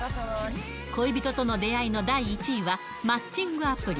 恋人との出会いの第１位はマッチングアプリ。